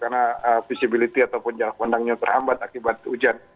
karena visibility ataupun jarak pandangnya terhambat akibat hujan